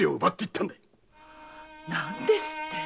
何ですって！